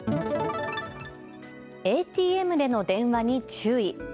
ＡＴＭでの電話に注意。